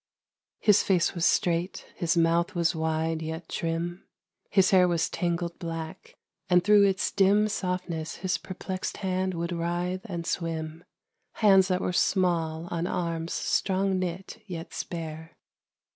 His face was straight, his mouth was wide yet trim; His hair was tangled black, and through its dim Softness his perplexed hand would writhe and swim Hands that were small on arms strong knit yet spare.